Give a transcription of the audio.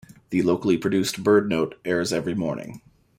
The locally produced BirdNote airs every morning.